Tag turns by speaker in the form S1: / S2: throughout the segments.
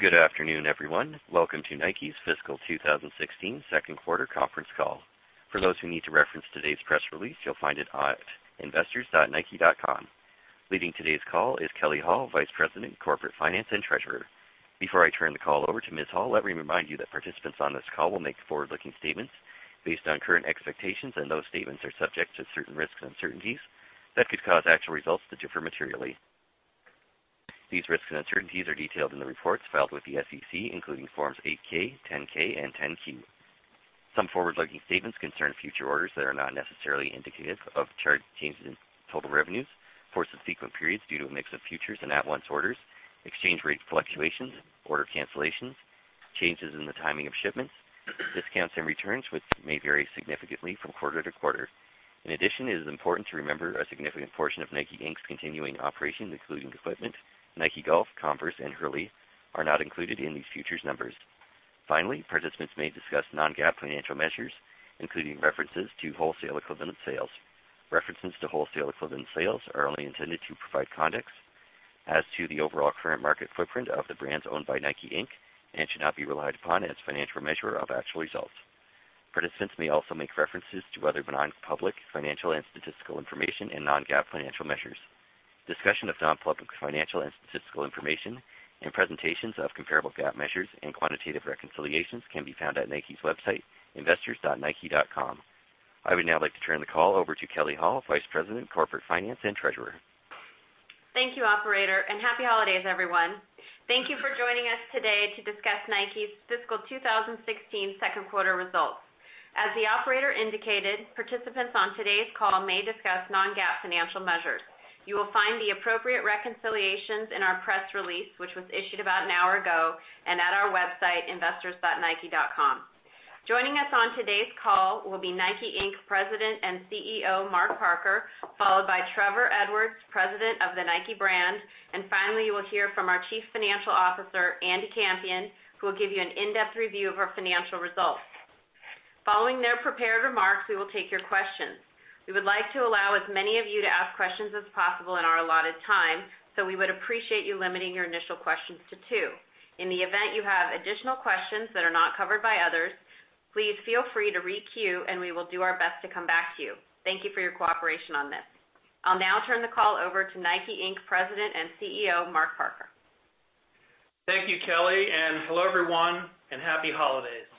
S1: Good afternoon, everyone. Welcome to Nike's fiscal 2016 second quarter conference call. For those who need to reference today's press release, you'll find it at investors.nike.com. Leading today's call is Kelley Hall, Vice President, Corporate Finance and Treasurer. Before I turn the call over to Ms. Hall, let me remind you that participants on this call will make forward-looking statements based on current expectations, and those statements are subject to certain risks and uncertainties that could cause actual results to differ materially. These risks and uncertainties are detailed in the reports filed with the SEC, including Forms 8-K, 10-K and 10-Q. Some forward-looking statements concern future orders that are not necessarily indicative of chart changes in total revenues for subsequent periods due to a mix of futures and at-once orders, exchange rate fluctuations, order cancellations, changes in the timing of shipments, discounts and returns, which may vary significantly from quarter to quarter. In addition, it is important to remember a significant portion of Nike, Inc.'s continuing operations, including equipment, Nike Golf, Converse, and Hurley are not included in these futures numbers. Finally, participants may discuss non-GAAP financial measures, including references to wholesale equivalent sales. References to wholesale equivalent sales are only intended to provide context as to the overall current market footprint of the brands owned by Nike, Inc., and should not be relied upon as financial measure of actual results. Participants may also make references to other non-public, financial and statistical information and non-GAAP financial measures. Discussion of non-public financial and statistical information and presentations of comparable GAAP measures and quantitative reconciliations can be found at Nike's website, investors.nike.com. I would now like to turn the call over to Kelley Hall, Vice President, Corporate Finance and Treasurer.
S2: Thank you, operator. Happy Holidays, everyone. Thank you for joining us today to discuss Nike's fiscal 2016 second quarter results. As the operator indicated, participants on today's call may discuss non-GAAP financial measures. You will find the appropriate reconciliations in our press release, which was issued about an hour ago, and at our website, investors.nike.com. Joining us on today's call will be Nike, Inc. President and CEO, Mark Parker, followed by Trevor Edwards, President of the Nike brand. Finally, you will hear from our Chief Financial Officer, Andy Campion, who will give you an in-depth review of our financial results. Following their prepared remarks, we will take your questions. We would like to allow as many of you to ask questions as possible in our allotted time, so we would appreciate you limiting your initial questions to two. In the event you have additional questions that are not covered by others, please feel free to re-queue and we will do our best to come back to you. Thank you for your cooperation on this. I'll now turn the call over to Nike, Inc., President and CEO, Mark Parker.
S3: Thank you, Kelley, and hello, everyone, and Happy Holidays.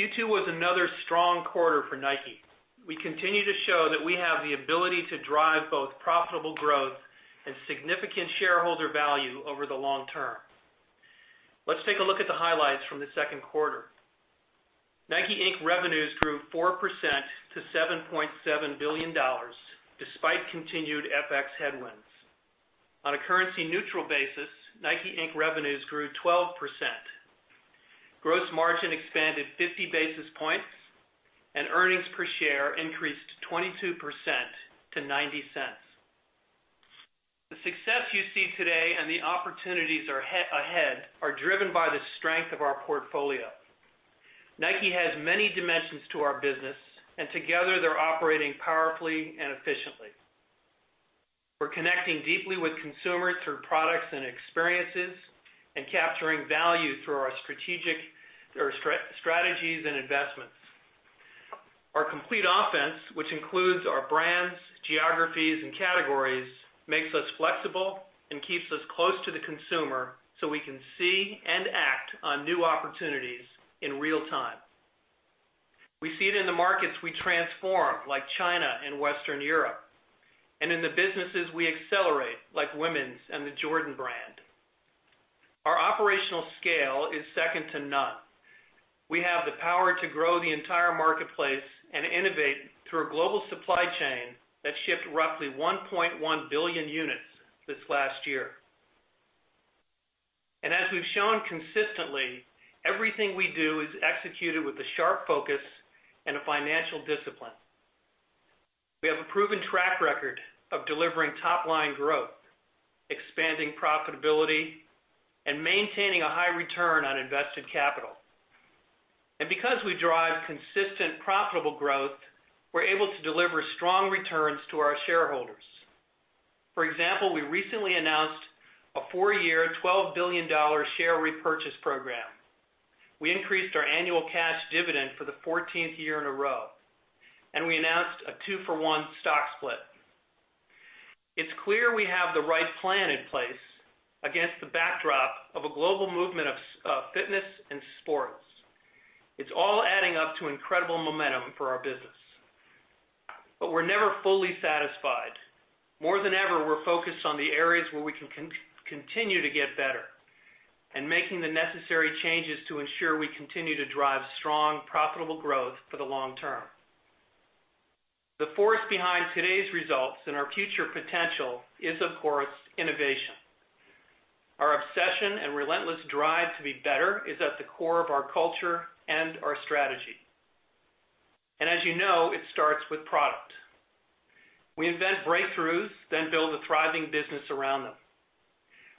S3: Q2 was another strong quarter for Nike. We continue to show that we have the ability to drive both profitable growth and significant shareholder value over the long term. Let's take a look at the highlights from the second quarter. Nike, Inc. revenues grew 4% to $7.7 billion, despite continued FX headwinds. On a currency neutral basis, Nike, Inc. revenues grew 12%. Gross margin expanded 50 basis points, and earnings per share increased 22% to $0.90. The success you see today and the opportunities ahead are driven by the strength of our portfolio. Nike has many dimensions to our business, and together they're operating powerfully and efficiently. We're connecting deeply with consumers through products and experiences and capturing value through our strategies and investments. Our complete offense, which includes our brands, geographies, and categories, makes us flexible and keeps us close to the consumer so we can see and act on new opportunities in real time. We see it in the markets we transform, like China and Western Europe, and in the businesses we accelerate, like women's and the Jordan Brand. Our operational scale is second to none. We have the power to grow the entire marketplace and innovate through a global supply chain that shipped roughly 1.1 billion units this last year. As we've shown consistently, everything we do is executed with a sharp focus and a financial discipline. We have a proven track record of delivering top-line growth, expanding profitability, and maintaining a high return on invested capital. Because we drive consistent, profitable growth, we're able to deliver strong returns to our shareholders. For example, we recently announced a four-year, $12 billion share repurchase program. We increased our annual cash dividend for the 14th year in a row, we announced a two-for-one stock split. It's clear we have the right plan in place against the backdrop of a global movement of fitness and sports. It's all adding up to incredible momentum for our business. We're never fully satisfied. More than ever, we're focused on the areas where we can continue to get better and making the necessary changes to ensure we continue to drive strong, profitable growth for the long term. The force behind today's results and our future potential is, of course, innovation. Our obsession and relentless drive to be better is at the core of our culture and our strategy. As you know, it starts with product. We invent breakthroughs, build a thriving business around them.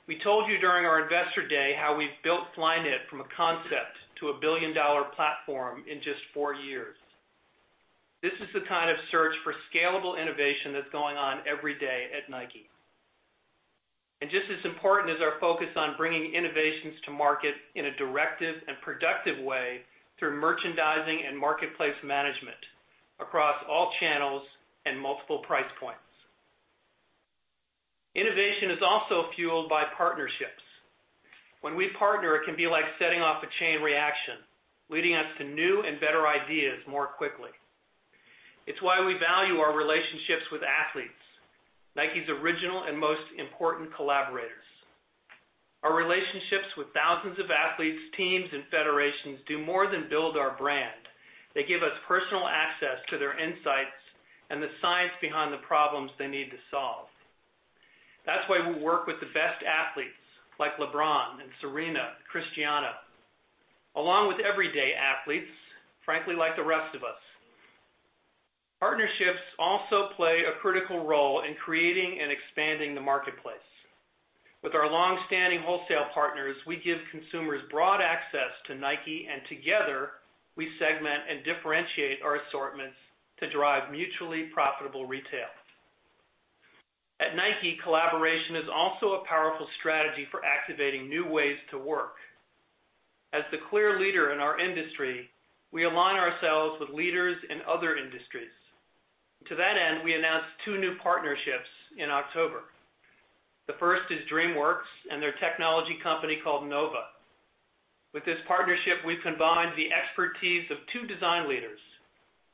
S3: We told you during our investor day how we've built Flyknit from a concept to a billion-dollar platform in just four years. This is the kind of search for scalable innovation that's going on every day at Nike. Just as important is our focus on bringing innovations to market in a directive and productive way through merchandising and marketplace management across all channels and multiple price points. Innovation is also fueled by partnerships. When we partner, it can be like setting off a chain reaction, leading us to new and better ideas more quickly. It's why we value our relationships with athletes, Nike's original and most important collaborators. Our relationships with thousands of athletes, teams, and federations do more than build our brand. They give us personal access to their insights and the science behind the problems they need to solve. That's why we work with the best athletes like LeBron and Serena, Cristiano, along with everyday athletes, frankly, like the rest of us. Partnerships also play a critical role in creating and expanding the marketplace. With our long-standing wholesale partners, we give consumers broad access to Nike, and together, we segment and differentiate our assortments to drive mutually profitable retail. At Nike, collaboration is also a powerful strategy for activating new ways to work. As the clear leader in our industry, we align ourselves with leaders in other industries. To that end, we announced two new partnerships in October. The first is DreamWorks and their technology company called Nova. With this partnership, we combined the expertise of two design leaders,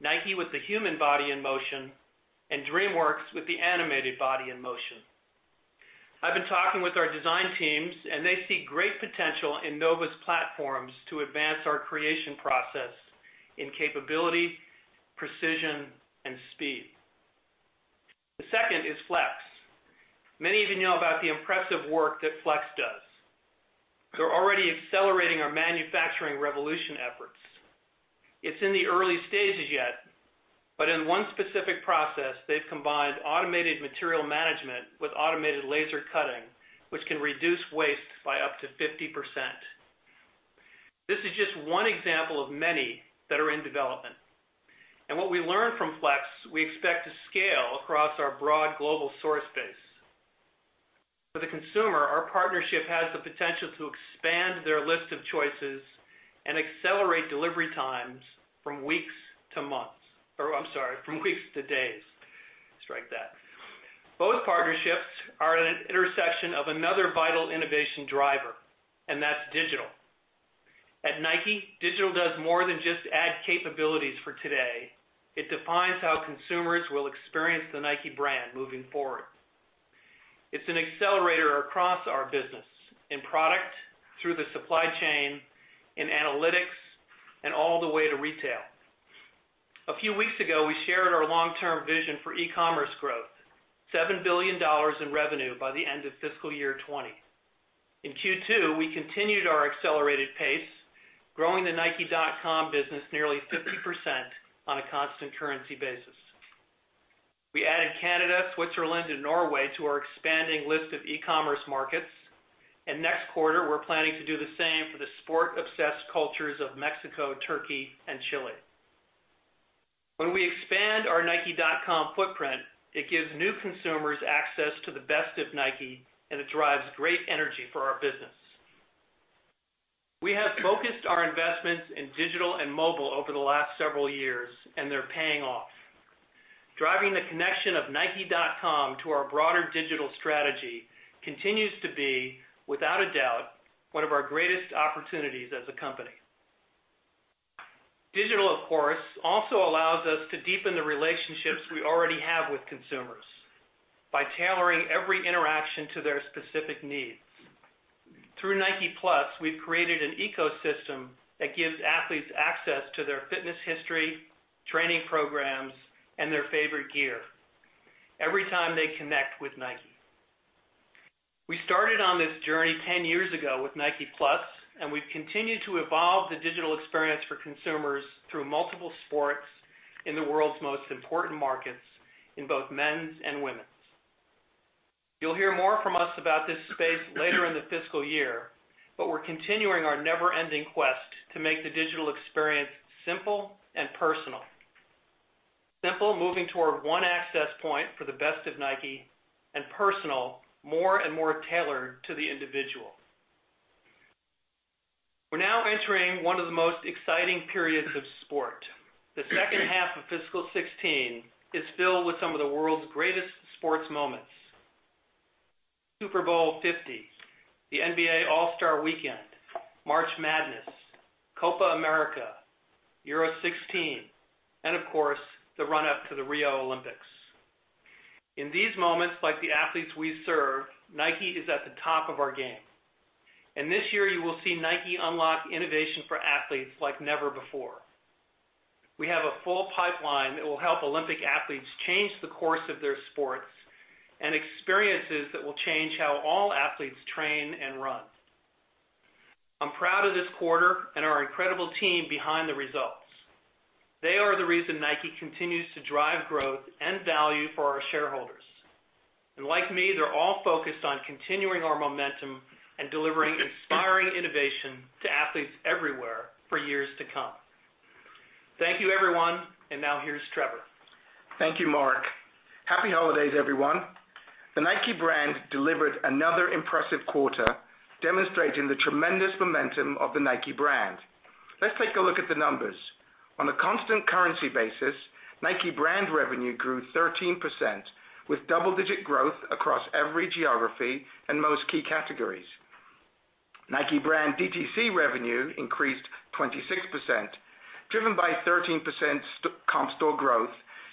S3: Nike with the human body in motion, and DreamWorks with the animated body in motion. I've been talking with our design teams, and they see great potential in Nova's platforms to advance our creation process in capability, precision, and speed. The second is Flex. Many of you know about the impressive work that Flex does. They're already accelerating our manufacturing revolution efforts. It's in the early stages yet, but in one specific process, they've combined automated material management with automated laser cutting, which can reduce waste by up to 50%. This is just one example of many that are in development. What we learn from Flex, we expect to scale across our broad global source base. For the consumer, our partnership has the potential to expand their list of choices and accelerate delivery times from weeks to months. I'm sorry, from weeks to days. Strike that. Both partnerships are at an intersection of another vital innovation driver, and that's digital. At Nike, digital does more than just add capabilities for today. It defines how consumers will experience the Nike brand moving forward. It's an accelerator across our business, in product, through the supply chain, in analytics, and all the way to retail. A few weeks ago, we shared our long-term vision for e-commerce growth, $7 billion in revenue by the end of fiscal year 2020. In Q2, we continued our accelerated pace, growing the nike.com business nearly 50% on a constant currency basis. We added Canada, Switzerland, and Norway to our expanding list of e-commerce markets. Next quarter, we're planning to do the same for the sport-obsessed cultures of Mexico, Turkey, and Chile. When we expand our nike.com footprint, it gives new consumers access to the best of Nike, and it drives great energy for our business. We have focused our investments in digital and mobile over the last several years, and they're paying off. Driving the connection of nike.com to our broader digital strategy continues to be, without a doubt, one of our greatest opportunities as a company. Digital, of course, also allows us to deepen the relationships we already have with consumers by tailoring every interaction to their specific needs. Through NikePlus, we've created an ecosystem that gives athletes access to their fitness history, training programs, and their favorite gear every time they connect with Nike. We started on this journey 10 years ago with NikePlus, and we've continued to evolve the digital experience for consumers through multiple sports in the world's most important markets in both men's and women's. You'll hear more from us about this space later in the fiscal year, but we're continuing our never-ending quest to make the digital experience simple and personal. Simple, moving toward one access point for the best of Nike. And personal, more and more tailored to the individual. We're now entering one of the most exciting periods of sport. The second half of fiscal 2016 is filled with some of the world's greatest sports moments. Super Bowl 50, the NBA All-Star Weekend, March Madness, Copa América, Euro 2016, and of course, the run-up to the Rio Olympics. In these moments, like the athletes we serve, Nike is at the top of our game. And this year, you will see Nike unlock innovation for athletes like never before. We have a full pipeline that will help Olympic athletes change the course of their sports and experiences that will change how all athletes train and run. I'm proud of this quarter and our incredible team behind the results. They are the reason Nike continues to drive growth and value for our shareholders. And like me, they're all focused on continuing our momentum and delivering inspiring innovation to athletes everywhere for years to come. Thank you, everyone, and now here's Trevor.
S4: Thank you, Mark. Happy holidays, everyone. The Nike brand delivered another impressive quarter, demonstrating the tremendous momentum of the Nike brand. Let's take a look at the numbers. On a constant currency basis, Nike brand revenue grew 13%, with double-digit growth across every geography and most key categories. Nike brand DTC revenue increased 26%, driven by 13% comp store growth,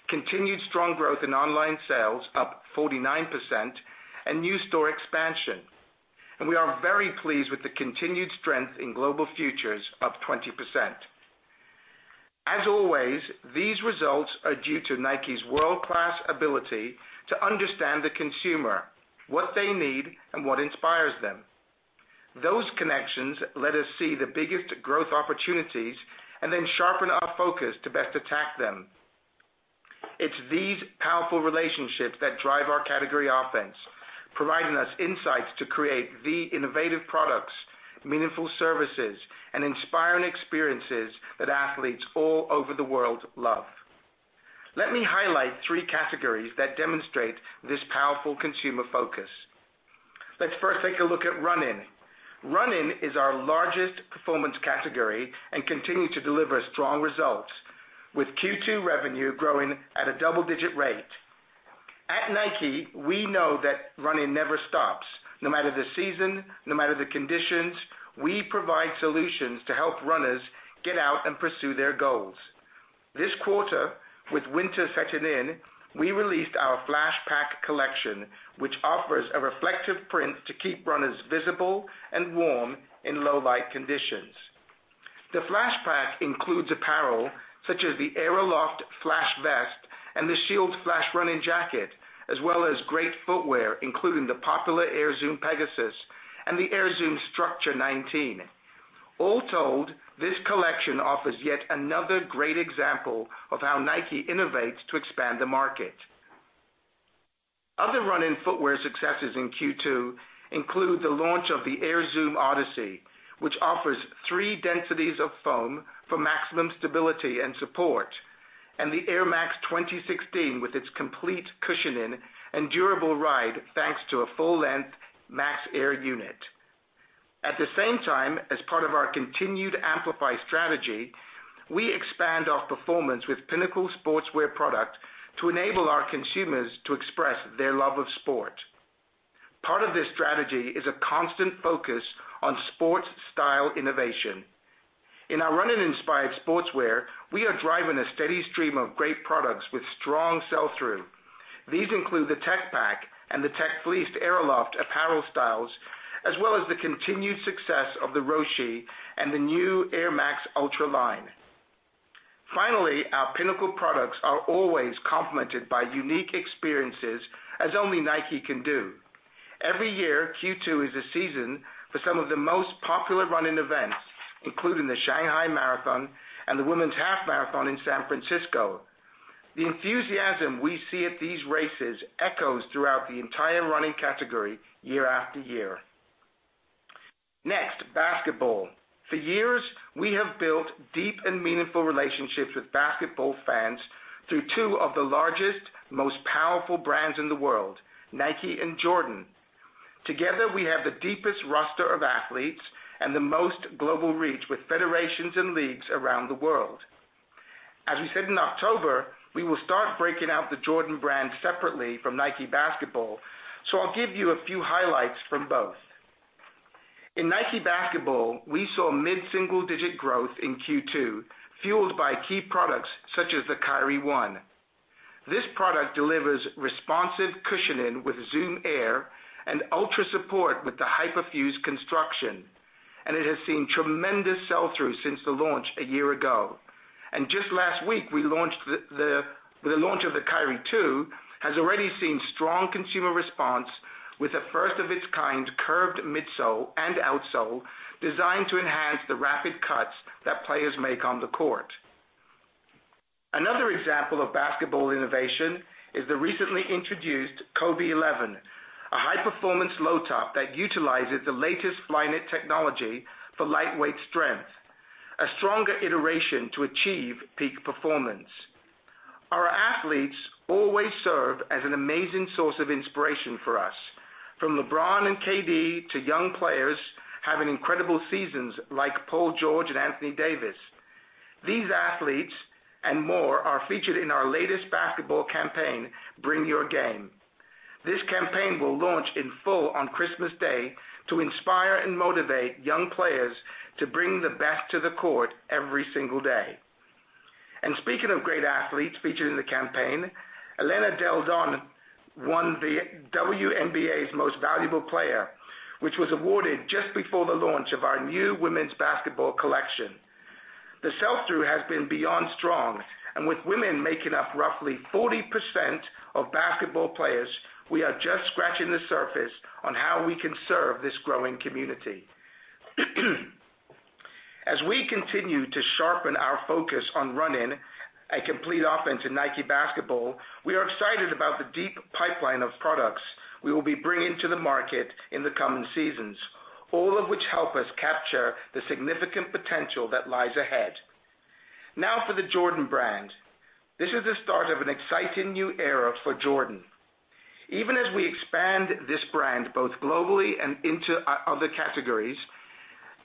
S4: continued strong growth in online sales up 49%, and new store expansion. And we are very pleased with the continued strength in global futures, up 20%. As always, these results are due to Nike's world-class ability to understand the consumer, what they need, and what inspires them. Those connections let us see the biggest growth opportunities and then sharpen our focus to best attack them. It's these powerful relationships that drive our category offense, providing us insights to create the innovative products, meaningful services, and inspiring experiences that athletes all over the world love. Let me highlight three categories that demonstrate this powerful consumer focus. Let's first take a look at running. Running is our largest performance category and continued to deliver strong results, with Q2 revenue growing at a double-digit rate. At Nike, we know that running never stops. No matter the season, no matter the conditions, we provide solutions to help runners get out and pursue their goals. This quarter, with winter setting in, we released our Flash Pack collection, which offers a reflective print to keep runners visible and warm in low light conditions. The Flash Pack includes apparel such as the AeroLoft Flash Vest and the Shield Flash Running Jacket, as well as great footwear, including the popular Air Zoom Pegasus and the Air Zoom Structure 19. All told, this collection offers yet another great example of how Nike innovates to expand the market. Other running footwear successes in Q2 include the launch of the Air Zoom Odyssey, which offers three densities of foam for maximum stability and support, and the Air Max 2016, with its complete cushioning and durable ride, thanks to a full-length Max Air unit. At the same time, as part of our continued Amplify strategy, we expand our performance with pinnacle sportswear product to enable our consumers to express their love of sport. Part of this strategy is a constant focus on sports style innovation. In our running-inspired sportswear, we are driving a steady stream of great products with strong sell-through. These include the Tech Pack and the Tech Fleece AeroLoft apparel styles, as well as the continued success of the Roshe and the new Air Max Ultra line. Finally, our pinnacle products are always complemented by unique experiences as only Nike can do. Every year, Q2 is a season for some of the most popular running events, including the Shanghai Marathon and the Women's Half Marathon in San Francisco. The enthusiasm we see at these races echoes throughout the entire running category year after year. Next, basketball. For years, we have built deep and meaningful relationships with basketball fans through two of the largest, most powerful brands in the world, Nike and Jordan. Together, we have the deepest roster of athletes and the most global reach with federations and leagues around the world. As we said in October, we will start breaking out the Jordan Brand separately from Nike Basketball. I'll give you a few highlights from both. In Nike Basketball, we saw mid-single digit growth in Q2, fueled by key products such as the Kyrie 1. This product delivers responsive cushioning with Zoom Air and ultra support with the Hyperfuse construction, and it has seen tremendous sell-through since the launch a year ago. Just last week, with the launch of the Kyrie 2, has already seen strong consumer response with a first-of-its-kind curved midsole and outsole designed to enhance the rapid cuts that players make on the court. Another example of basketball innovation is the recently introduced Kobe 11, a high-performance low top that utilizes the latest Flyknit technology for lightweight strength, a stronger iteration to achieve peak performance. Our athletes always serve as an amazing source of inspiration for us, from LeBron and KD to young players having incredible seasons like Paul George and Anthony Davis. These athletes and more are featured in our latest basketball campaign, Bring Your Game. This campaign will launch in full on Christmas Day to inspire and motivate young players to bring their best to the court every single day. Speaking of great athletes featured in the campaign, Elena Delle Donne won the WNBA's Most Valuable Player, which was awarded just before the launch of our new women's basketball collection. The sell-through has been beyond strong, and with women making up roughly 40% of basketball players, we are just scratching the surface on how we can serve this growing community. As we continue to sharpen our focus on running a complete offense in Nike Basketball, we are excited about the deep pipeline of products we will be bringing to the market in the coming seasons, all of which help us capture the significant potential that lies ahead. Now for the Jordan Brand. This is the start of an exciting new era for Jordan. Even as we expand this Brand both globally and into other categories,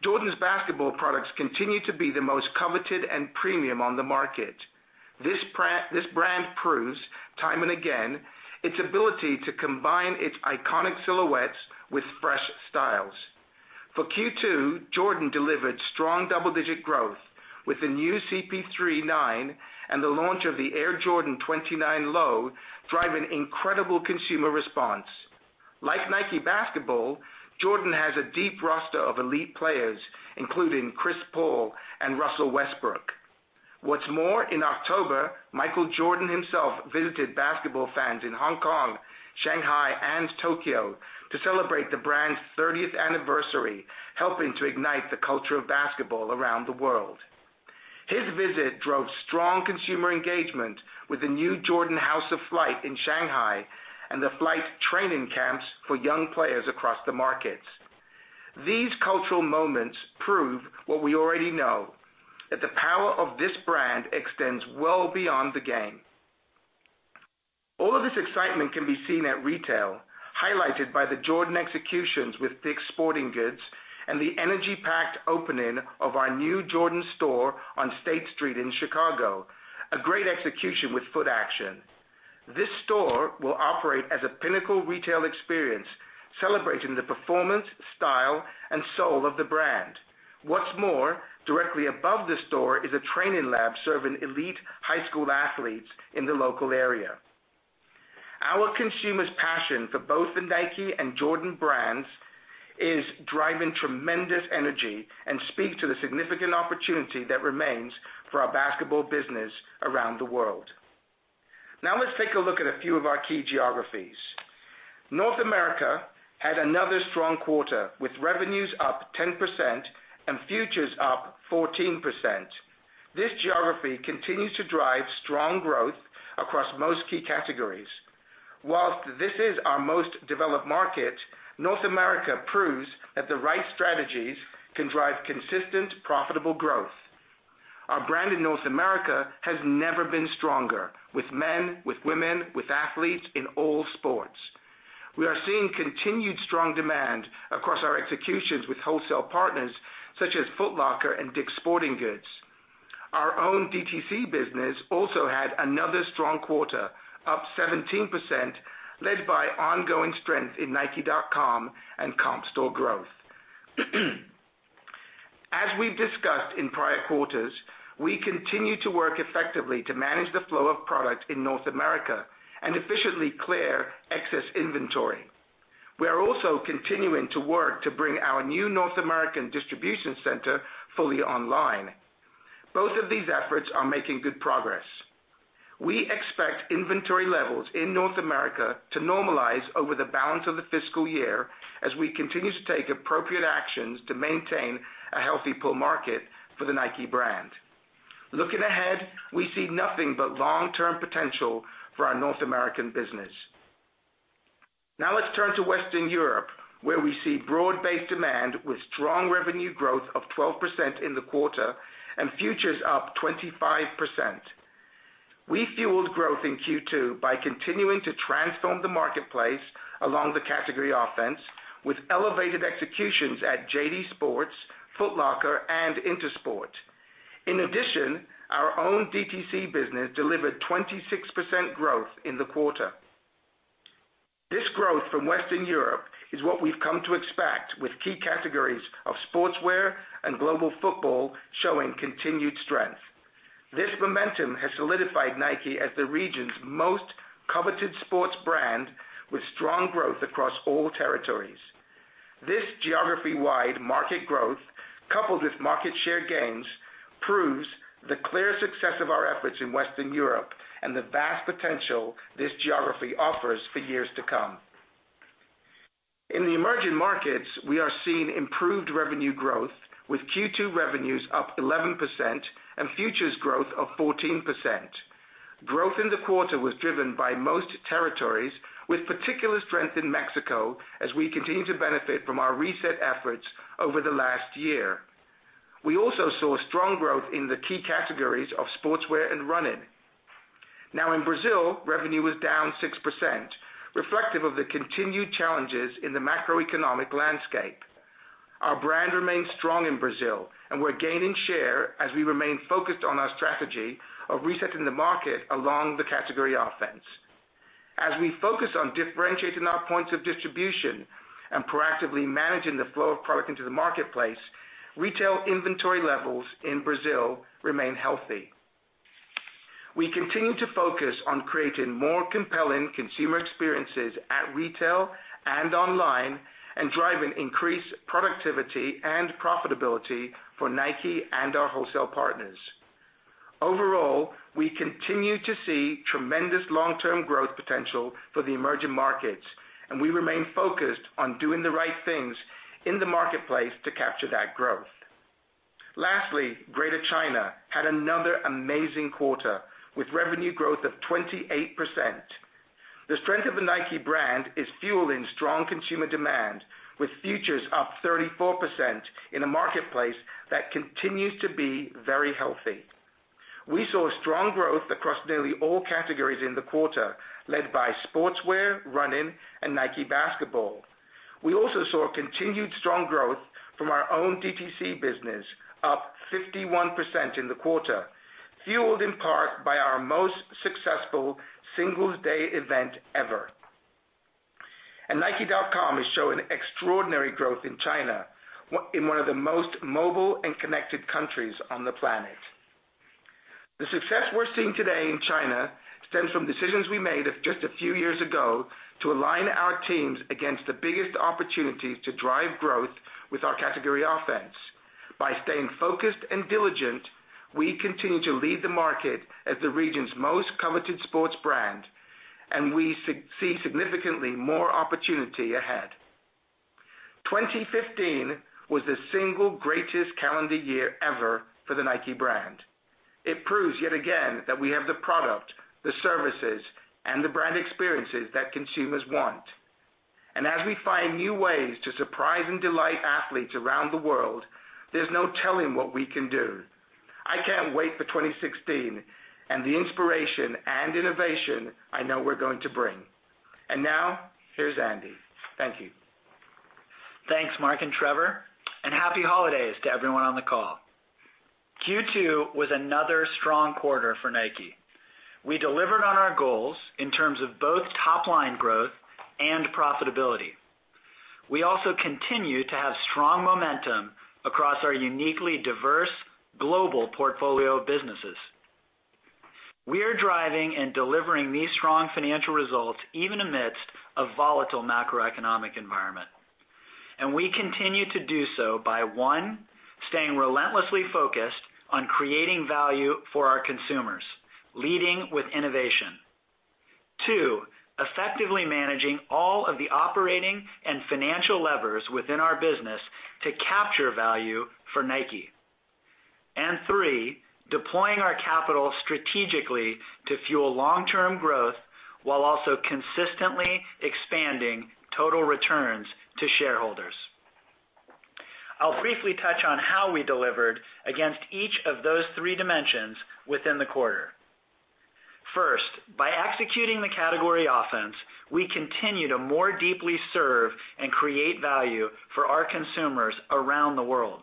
S4: Jordan's basketball products continue to be the most coveted and premium on the market. This Brand proves time and again, its ability to combine its iconic silhouettes with fresh styles. For Q2, Jordan delivered strong double-digit growth with the new CP3.IX and the launch of the Air Jordan XX9 Low, driving incredible consumer response. Like Nike Basketball, Jordan has a deep roster of elite players, including Chris Paul and Russell Westbrook. What's more, in October, Michael Jordan himself visited basketball fans in Hong Kong, Shanghai, and Tokyo to celebrate the Brand's 30th anniversary, helping to ignite the culture of basketball around the world. His visit drove strong consumer engagement with the new Jordan House of Flight in Shanghai and the flight training camps for young players across the markets. These cultural moments prove what we already know, that the power of this Brand extends well beyond the game. All of this excitement can be seen at retail, highlighted by the Jordan executions with Dick's Sporting Goods and the energy-packed opening of our new Jordan store on State Street in Chicago, a great execution with Footaction. This store will operate as a pinnacle retail experience, celebrating the performance, style, and soul of the Brand. What's more, directly above the store is a training lab serving elite high school athletes in the local area. Our consumers' passion for both the Nike and Jordan Brands is driving tremendous energy and speaks to the significant opportunity that remains for our basketball business around the world. Now let's take a look at a few of our key geographies. North America had another strong quarter, with revenues up 10% and futures up 14%. This geography continues to drive strong growth across most key categories. Whilst this is our most developed market, North America proves that the right strategies can drive consistent, profitable growth. Our Brand in North America has never been stronger with men, with women, with athletes in all sports. We are seeing continued strong demand across our executions with wholesale partners such as Foot Locker and Dick's Sporting Goods. Our own DTC business also had another strong quarter, up 17%, led by ongoing strength in nike.com and comp store growth. As we've discussed in prior quarters, we continue to work effectively to manage the flow of product in North America and efficiently clear excess inventory. We are also continuing to work to bring our new North American distribution center fully online. Both of these efforts are making good progress. We expect inventory levels in North America to normalize over the balance of the fiscal year as we continue to take appropriate actions to maintain a healthy pull market for the Nike brand. Looking ahead, we see nothing but long-term potential for our North American business. Let's turn to Western Europe, where we see broad-based demand with strong revenue growth of 12% in the quarter and futures up 25%. We fueled growth in Q2 by continuing to transform the marketplace along the category offense with elevated executions at JD Sports, Foot Locker, and Intersport. Our own DTC business delivered 26% growth in the quarter. This growth from Western Europe is what we've come to expect with key categories of sportswear and global football showing continued strength. This momentum has solidified Nike as the region's most coveted sports brand, with strong growth across all territories. This geography-wide market growth, coupled with market share gains, proves the clear success of our efforts in Western Europe and the vast potential this geography offers for years to come. In the emerging markets, we are seeing improved revenue growth with Q2 revenues up 11% and futures growth of 14%. Growth in the quarter was driven by most territories with particular strength in Mexico as we continue to benefit from our reset efforts over the last year. We also saw strong growth in the key categories of sportswear and running. In Brazil, revenue was down 6%, reflective of the continued challenges in the macroeconomic landscape. Our brand remains strong in Brazil, and we're gaining share as we remain focused on our strategy of resetting the market along the category offense. As we focus on differentiating our points of distribution and proactively managing the flow of product into the marketplace, retail inventory levels in Brazil remain healthy. We continue to focus on creating more compelling consumer experiences at retail and online, and driving increased productivity and profitability for Nike and our wholesale partners. Overall, we continue to see tremendous long-term growth potential for the emerging markets, and we remain focused on doing the right things in the marketplace to capture that growth. Lastly, Greater China had another amazing quarter, with revenue growth of 28%. The strength of the Nike brand is fueling strong consumer demand, with futures up 34% in a marketplace that continues to be very healthy. We saw strong growth across nearly all categories in the quarter, led by sportswear, running, and Nike Basketball. We also saw continued strong growth from our own DTC business, up 51% in the quarter, fueled in part by our most successful Singles' Day event ever. nike.com is showing extraordinary growth in China, in one of the most mobile and connected countries on the planet. The success we're seeing today in China stems from decisions we made just a few years ago to align our teams against the biggest opportunities to drive growth with our category offense. By staying focused and diligent, we continue to lead the market as the region's most coveted sports brand, and we see significantly more opportunity ahead. 2015 was the single greatest calendar year ever for the Nike brand. It proves yet again that we have the product, the services, and the brand experiences that consumers want. As we find new ways to surprise and delight athletes around the world, there's no telling what we can do. I can't wait for 2016 and the inspiration and innovation I know we're going to bring. Now, here's Andy. Thank you.
S5: Thanks, Mark and Trevor. Happy Holidays to everyone on the call. Q2 was another strong quarter for Nike. We delivered on our goals in terms of both top-line growth and profitability. We also continue to have strong momentum across our uniquely diverse global portfolio of businesses. We are driving and delivering these strong financial results even amidst a volatile macroeconomic environment. We continue to do so by, one, staying relentlessly focused on creating value for our consumers, leading with innovation. Two, effectively managing all of the operating and financial levers within our business to capture value for Nike. Three, deploying our capital strategically to fuel long-term growth while also consistently expanding total returns to shareholders. I'll briefly touch on how we delivered against each of those three dimensions within the quarter. First, by executing the category offense, we continue to more deeply serve and create value for our consumers around the world.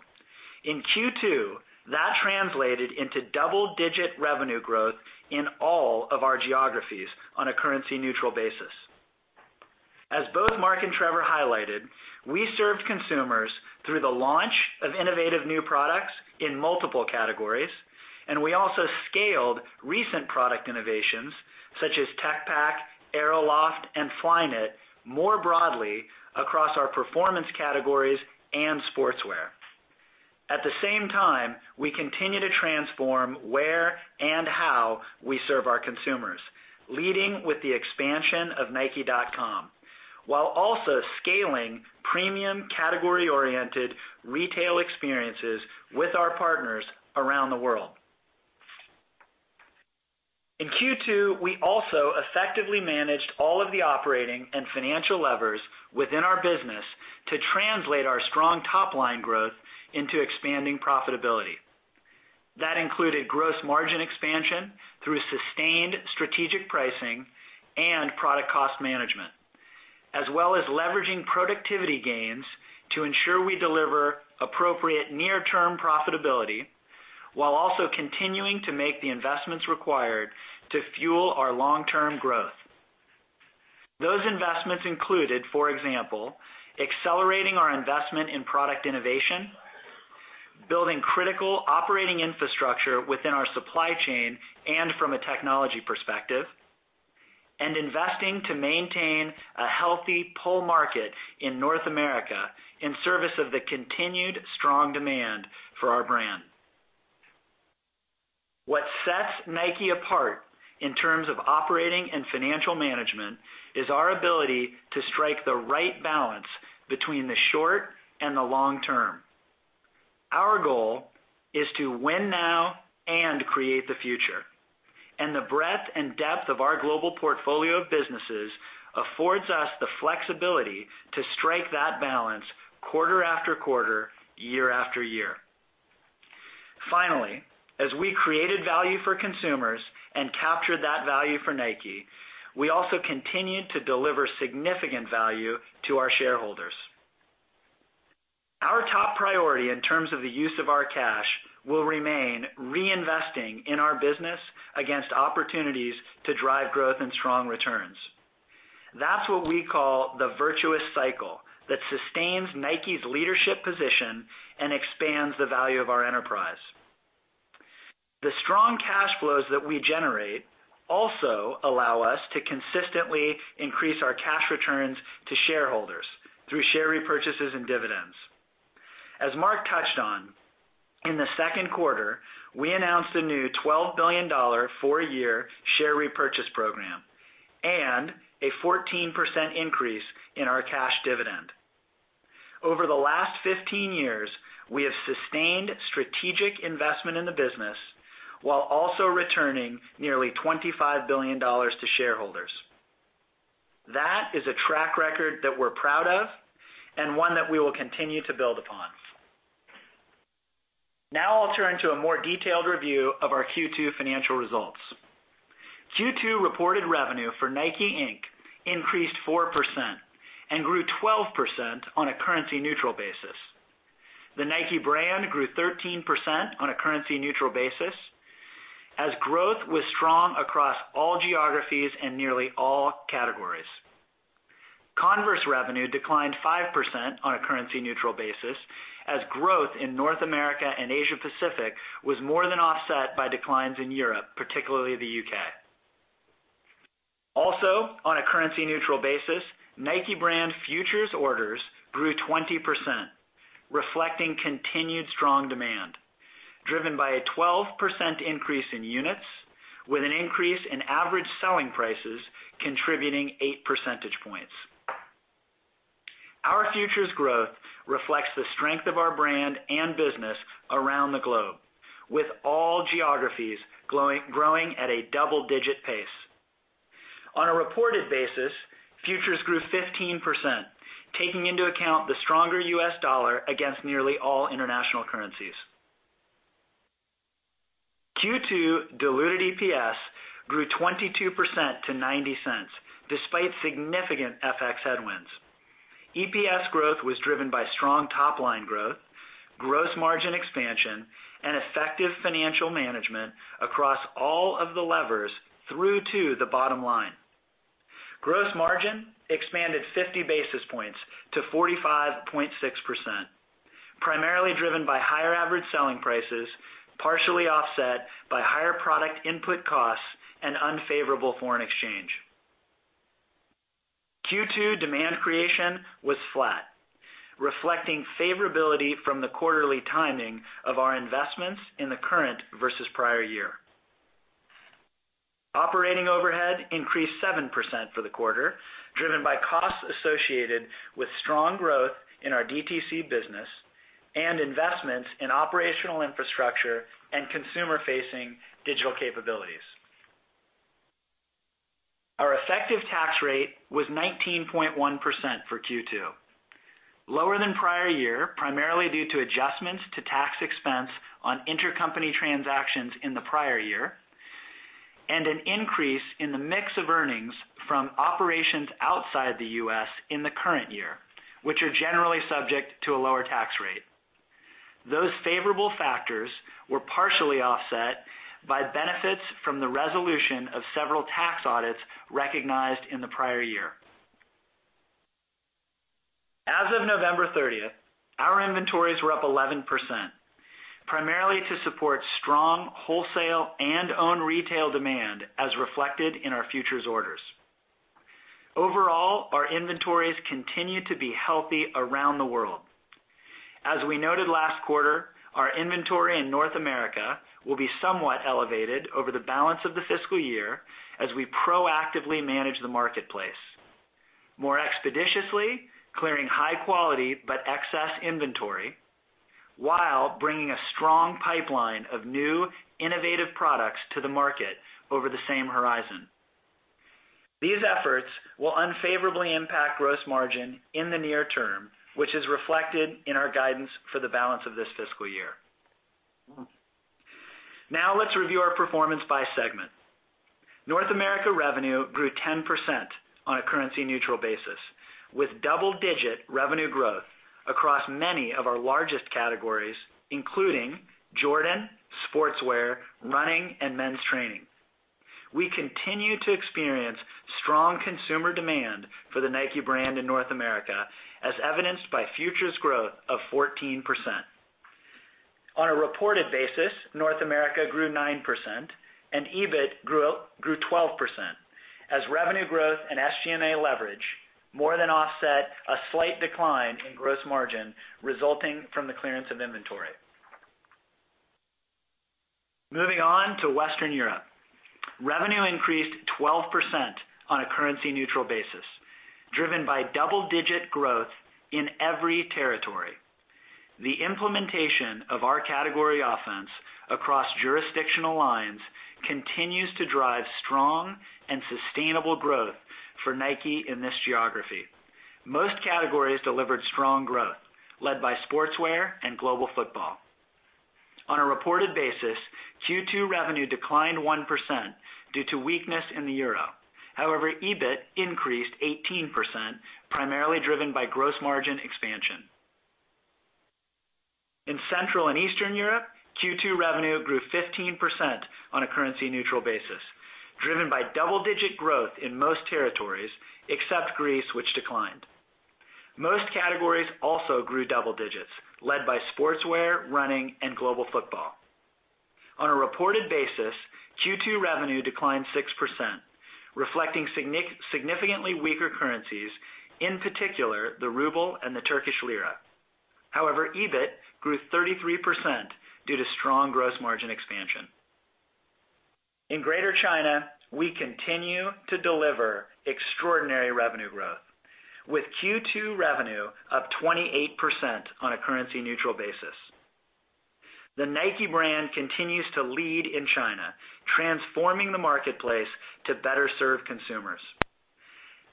S5: In Q2, that translated into double-digit revenue growth in all of our geographies on a currency-neutral basis. As both Mark and Trevor highlighted, we served consumers through the launch of innovative new products in multiple categories, and we also scaled recent product innovations, such as Tech Pack, AeroLoft, and Flyknit, more broadly across our performance categories and sportswear. At the same time, we continue to transform where and how we serve our consumers, leading with the expansion of nike.com, while also scaling premium category-oriented retail experiences with our partners around the world. In Q2, we also effectively managed all of the operating and financial levers within our business to translate our strong top-line growth into expanding profitability. That included gross margin expansion through sustained strategic pricing and product cost management, as well as leveraging productivity gains to ensure we deliver appropriate near-term profitability while also continuing to make the investments required to fuel our long-term growth. Those investments included, for example, accelerating our investment in product innovation, building critical operating infrastructure within our supply chain and from a technology perspective, and investing to maintain a healthy pull market in North America in service of the continued strong demand for our brand. What sets Nike apart in terms of operating and financial management is our ability to strike the right balance between the short and the long term. Our goal is to win now and create the future. The breadth and depth of our global portfolio of businesses affords us the flexibility to strike that balance quarter after quarter, year after year. Finally, as we created value for consumers and captured that value for Nike, we also continued to deliver significant value to our shareholders. Our top priority in terms of the use of our cash will remain reinvesting in our business against opportunities to drive growth and strong returns. That is what we call the virtuous cycle that sustains Nike's leadership position and expands the value of our enterprise. The strong cash flows that we generate also allow us to consistently increase our cash returns to shareholders through share repurchases and dividends. As Mark touched on, in the second quarter, we announced a new $12 billion four-year share repurchase program and a 14% increase in our cash dividend. Over the last 15 years, we have sustained strategic investment in the business while also returning nearly $25 billion to shareholders. That is a track record that we are proud of and one that we will continue to build upon. I will turn to a more detailed review of our Q2 financial results. Q2 reported revenue for Nike, Inc. increased 4% and grew 12% on a currency-neutral basis. The Nike brand grew 13% on a currency-neutral basis as growth was strong across all geographies and nearly all categories. Converse revenue declined 5% on a currency-neutral basis as growth in North America and Asia Pacific was more than offset by declines in Europe, particularly the U.K. On a currency-neutral basis, Nike brand futures orders grew 20%, reflecting continued strong demand, driven by a 12% increase in units, with an increase in average selling prices contributing eight percentage points. Our futures growth reflects the strength of our brand and business around the globe, with all geographies growing at a double-digit pace. On a reported basis, futures grew 15%, taking into account the stronger U.S. dollar against nearly all international currencies. Q2 diluted EPS grew 22% to $0.90, despite significant FX headwinds. EPS growth was driven by strong top-line growth, gross margin expansion, and effective financial management across all of the levers through to the bottom line. Gross margin expanded 50 basis points to 45.6%, primarily driven by higher average selling prices, partially offset by higher product input costs and unfavorable foreign exchange. Q2 demand creation was flat, reflecting favorability from the quarterly timing of our investments in the current versus prior year. Operating overhead increased 7% for the quarter, driven by costs associated with strong growth in our DTC business and investments in operational infrastructure and consumer-facing digital capabilities. Our effective tax rate was 19.1% for Q2, lower than prior year primarily due to adjustments to tax expense on intercompany transactions in the prior year and an increase in the mix of earnings from operations outside the U.S. in the current year, which are generally subject to a lower tax rate. Those favorable factors were partially offset by benefits from the resolution of several tax audits recognized in the prior year. As of November 30th, our inventories were up 11%, primarily to support strong wholesale and own retail demand as reflected in our futures orders. Overall, our inventories continue to be healthy around the world. As we noted last quarter, our inventory in North America will be somewhat elevated over the balance of the fiscal year as we proactively manage the marketplace more expeditiously, clearing high quality but excess inventory while bringing a strong pipeline of new, innovative products to the market over the same horizon. These efforts will unfavorably impact gross margin in the near term, which is reflected in our guidance for the balance of this fiscal year. Now let's review our performance by segment. North America revenue grew 10% on a currency-neutral basis, with double-digit revenue growth across many of our largest categories, including Jordan, Sportswear, Running, and Men's Training. We continue to experience strong consumer demand for the Nike Brand in North America, as evidenced by futures growth of 14%. On a reported basis, North America grew 9% and EBIT grew 12% as revenue growth and SG&A leverage more than offset a slight decline in gross margin resulting from the clearance of inventory. Moving on to Western Europe. Revenue increased 12% on a currency-neutral basis, driven by double-digit growth in every territory. The implementation of our category offense across jurisdictional lines continues to drive strong and sustainable growth for Nike in this geography. Most categories delivered strong growth, led by Sportswear and Global Football. On a reported basis, Q2 revenue declined 1% due to weakness in the euro. However, EBIT increased 18%, primarily driven by gross margin expansion. In Central and Eastern Europe, Q2 revenue grew 15% on a currency-neutral basis, driven by double-digit growth in most territories, except Greece, which declined. Most categories also grew double digits, led by Sportswear, Running, and Global Football. On a reported basis, Q2 revenue declined 6%, reflecting significantly weaker currencies, in particular, the ruble and the Turkish lira. However, EBIT grew 33% due to strong gross margin expansion. In Greater China, we continue to deliver extraordinary revenue growth, with Q2 revenue up 28% on a currency-neutral basis. The Nike Brand continues to lead in China, transforming the marketplace to better serve consumers.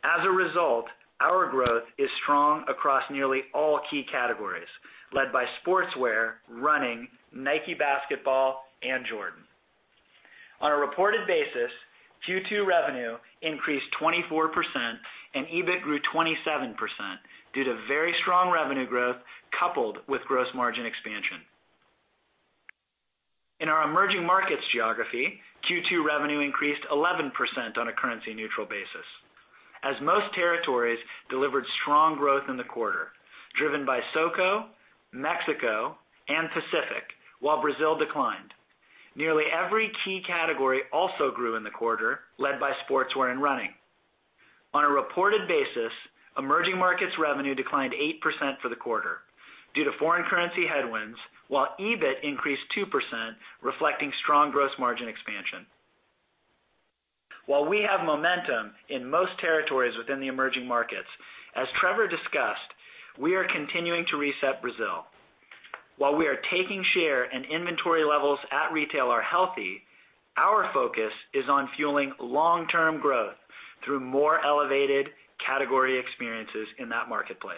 S5: As a result, our growth is strong across nearly all key categories, led by Sportswear, Running, Nike Basketball, and Jordan. On a reported basis, Q2 revenue increased 24% and EBIT grew 27% due to very strong revenue growth coupled with gross margin expansion. In our Emerging Markets geography, Q2 revenue increased 11% on a currency-neutral basis, as most territories delivered strong growth in the quarter, driven by SOCO, Mexico, and Pacific, while Brazil declined. Nearly every key category also grew in the quarter, led by Sportswear and Running. On a reported basis, Emerging Markets revenue declined 8% for the quarter due to foreign currency headwinds, while EBIT increased 2%, reflecting strong gross margin expansion. While we have momentum in most territories within the Emerging Markets, as Trevor discussed, we are continuing to reset Brazil. While we are taking share and inventory levels at retail are healthy, our focus is on fueling long-term growth through more elevated category experiences in that marketplace.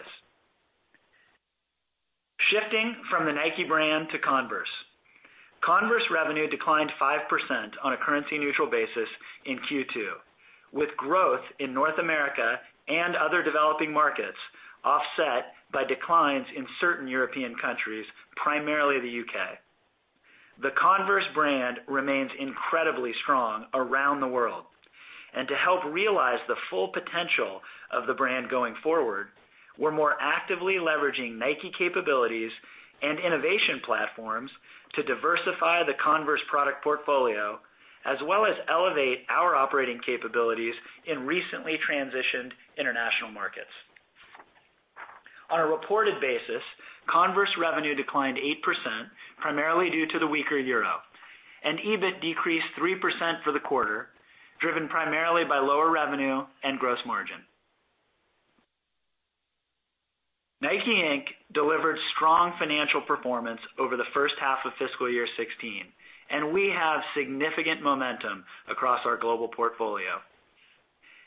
S5: Shifting from the Nike Brand to Converse. Converse revenue declined 5% on a currency-neutral basis in Q2, with growth in North America and other developing markets offset by declines in certain European countries, primarily the U.K. The Converse brand remains incredibly strong around the world. To help realize the full potential of the brand going forward, we're more actively leveraging Nike capabilities and innovation platforms to diversify the Converse product portfolio, as well as elevate our operating capabilities in recently transitioned international markets. On a reported basis, Converse revenue declined 8%, primarily due to the weaker EUR, and EBIT decreased 3% for the quarter, driven primarily by lower revenue and gross margin. Nike, Inc. delivered strong financial performance over the first half of fiscal year 2016, and we have significant momentum across our global portfolio.